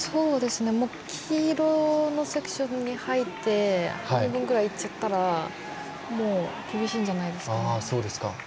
黄色のセクションに入って半分ぐらいいっちゃったらもう厳しいんじゃないですかね。